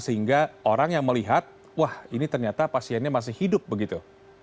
sehingga orang yang melihat wah ini ternyata pasiennya masih hidup begitu